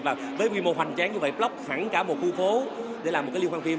và với quy mô hoành tráng như vậy block sẵn cả một khu phố để làm một cái liên hoan phim